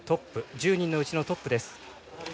１０人のうちのトップです。